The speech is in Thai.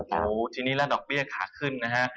โอ้โหทีนี้แล้วดอกเบี้ยขาขึ้นนะฮะ